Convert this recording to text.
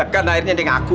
kan akhirnya dia ngaku